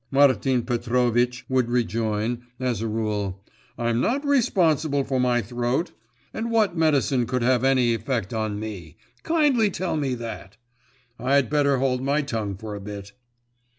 Martin Petrovitch would rejoin, as a rule, 'I'm not responsible for my throat. And what medicine could have any effect on me kindly tell me that? I'd better hold my tongue for a bit.